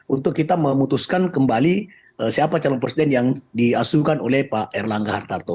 untuk kita memutuskan kembali siapa calon presiden yang diasuhkan oleh pak erlangga hartarto